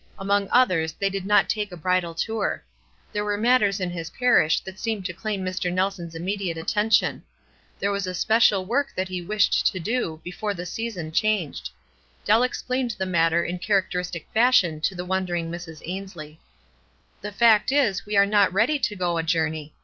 Among others they did not take a bridal tour. There were matters in his parish that seemed to claim Mr. Nelson's immediate attention. There was a special work that he wished to do before the season changed. Dell explained the matter in characteristic fashion to ths wondering Mrs. Ainslie. "The fact is, we arc not ready to go a jour ney.